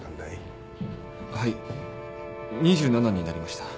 はい２７になりました。